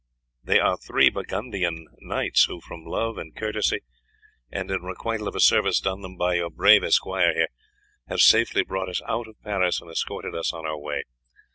"They are three Burgundian knights, who from love and courtesy, and in requital of a service done them by your brave esquire here, have safely brought us out of Paris and escorted us on our way.